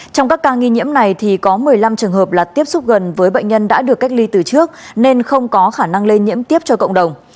trong các ca nghi nhiễm này thì có một mươi năm trường hợp là tiếp xúc gần với bệnh nhân đã được cách ly từ trước nên không có khả năng lây nhiễm tiếp cho cộng đồng